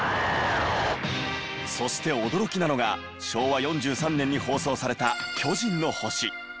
そして驚きなのが昭和４３年に放送された『巨人の星』。